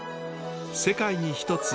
世界に一つ